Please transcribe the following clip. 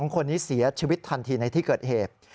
คนนี้เสียชีวิตทันทีในที่เกิดเหตุ